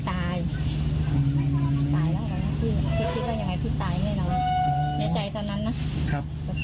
ตายตายแล้วกันนะพี่พี่คิดว่ายังไงพี่ตายแน่นอนในใจตอนนั้นนะครับ